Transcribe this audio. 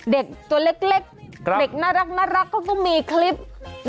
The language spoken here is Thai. เด็กตัวเล็กเด็กน่ารักก็ต้องมีคลิปครับ